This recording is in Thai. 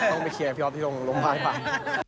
ต้องไปแคร์พี่ออฟที่ต้องลงมาให้พัก